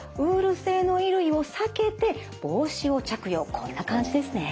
こんな感じですね。